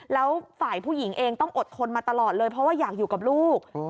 แล้วฝ่ายผู้หญิงเองต้องอดทนมาตลอดเลยเพราะว่าอยากอยู่กับลูก